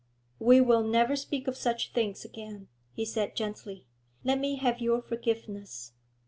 'We will never speak of such things again,' he said gently. 'Let me have your forgiveness.